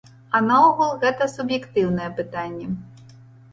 А наогул, гэта суб'ектыўнае пытанне.